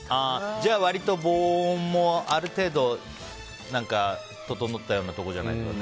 割と防音も、ある程度整ったようなところじゃないとね。